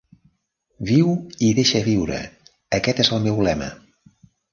Viu i deixa viure, aquest és el meu lema.